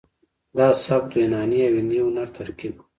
دا سبک د یوناني او هندي هنر ترکیب و